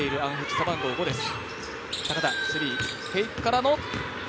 背番号５です。